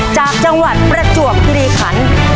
จากจังหวัดประจวกพิริขันฮอตต้า